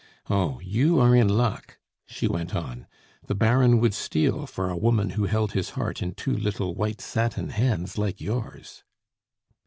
Oh! you are in luck," she went on. "The Baron would steal for a woman who held his heart in two little white satin hands like yours!"